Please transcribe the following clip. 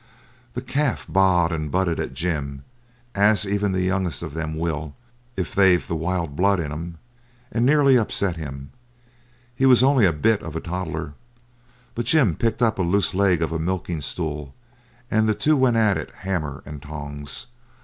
The calf baaed and butted at Jim, as even the youngest of them will, if they've the wild blood in 'em, and nearly upset him; he was only a bit of a toddler. But Jim picked up a loose leg of a milking stool, and the two went at it hammer and tongs.